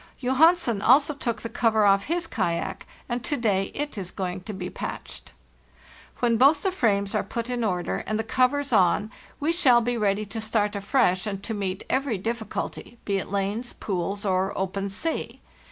Johansen also took the cover off his kayak, and to day it is going to be patched. "When both the frames are put in order and the 240 PFARTIHEST NORTH covers on we shall be ready to start afresh and to meet every difficulty, be it lanes, pools, or open sea.